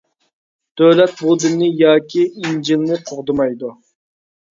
دۆلەت بۇ دىننى ياكى ئىنجىلنى قوغدىمايدۇ.